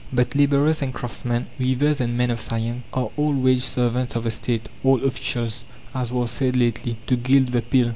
But labourers and craftsmen, weavers and men of science, are all wage servants of the State "all officials," as was said lately, to gild the pill.